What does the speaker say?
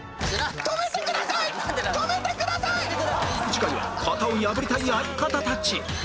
次回は型を破りたい相方たち